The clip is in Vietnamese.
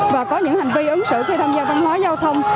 và có những hành vi ứng xử khi tham gia văn hóa giao thông